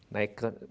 nah ini juga bisa